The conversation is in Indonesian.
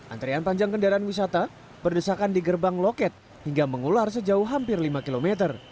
antrian panjang kendaraan wisata berdesakan di gerbang loket hingga mengular sejauh hampir lima km